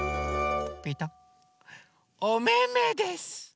おめめです！